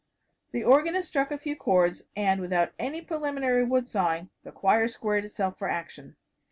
The organist struck a few chords, and without any preliminary wood sawing the choir squared itself for action.